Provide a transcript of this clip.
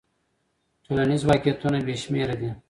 ټولنیز واقعیتونه بې شمېره دي.